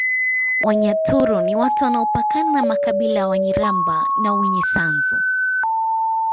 Wanyaturu ni watu wanaopakana na makabila ya Wanyiramba na Winyisanzu